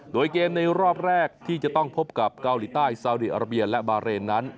โดยเกมในรอบแรกที่จะต้องพบกับเกาหลีใต้ซาวดีอาราเบียและบาเรนนั้น